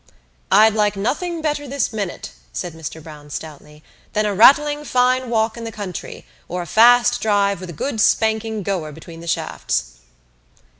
"I'd like nothing better this minute," said Mr Browne stoutly, "than a rattling fine walk in the country or a fast drive with a good spanking goer between the shafts."